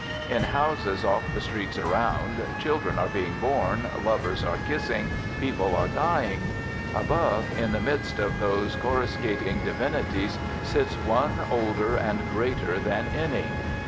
In houses off the streets around children are being born, lovers are kissing, people are dying. Above, in the midst of those coruscating divinities, sits one older and greater than any.